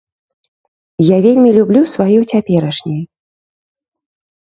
Я вельмі люблю сваё цяперашняе.